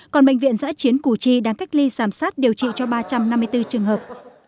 còn bệnh viện giãi chiến củ chi đang cách ly giảm sát điều trị cho ba trăm năm mươi bốn trường hợp